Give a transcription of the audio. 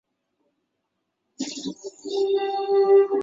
圣伊勒皮兹人口变化图示